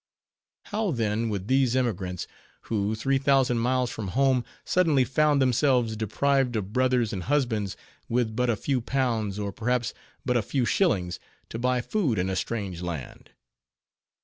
How, then, with these emigrants, who, three thousand miles from home, suddenly found themselves deprived of brothers and husbands, with but a few pounds, or perhaps but a few shillings, to buy food in a strange land?